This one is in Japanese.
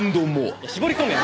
絞り込めよ！